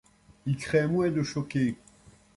Il craint moins de choquer.